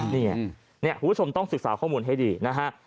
นี่ไงนี่ไงหัวชมต้องศึกษาข้อมูลให้ดีนะฮะ